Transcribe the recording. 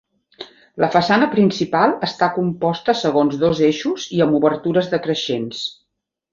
La façana principal està composta segons dos eixos i amb obertures decreixents.